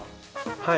はい。